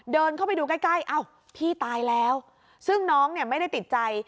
เดินเข้าไปดูใกล้ใกล้อ้าวพี่ตายแล้วซึ่งน้องเนี่ยไม่ได้ติดใจ